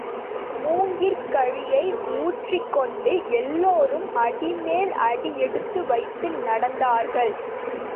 மூங்கிற் கழியை ஊன்றிக்கொண்டு எல்லாரும் அடிமேல் அடி எடுத்து வைத்து நடத்தார்கள்.